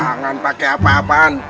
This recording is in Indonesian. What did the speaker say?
kangen pake apa apaan